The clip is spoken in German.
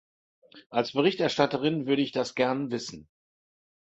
Als Berichterstatterin würde ich das gern wissen.